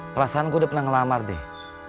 perasaan gue udah pernah ngelamar deh